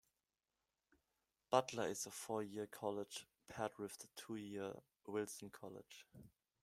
Butler is a four-year college, paired with the two-year Wilson College.